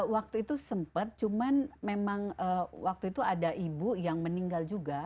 waktu itu sempat cuman memang waktu itu ada ibu yang meninggal juga